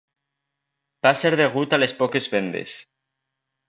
Va ser degut a les poques vendes.